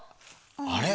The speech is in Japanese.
あれ？